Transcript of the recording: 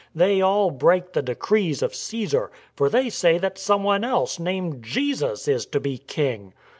They all break the decrees of Csesar; for they say that someone else, named Jesus, is to be king."